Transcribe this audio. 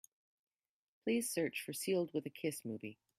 Please search for Sealed with a Kiss movie.